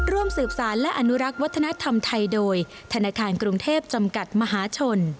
ร่วมสืบสารและอนุรักษ์วัฒนธรรมไทยโดยธนาคารกรุงเทพจำกัดมหาชน